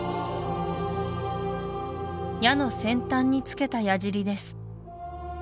矢の先端につけたやじりです